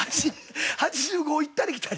８５を行ったり来たり？